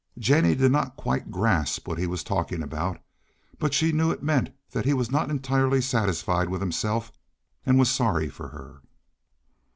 Jennie did not quite grasp what he was talking about, but she knew it meant that he was not entirely satisfied with himself and was sorry for her.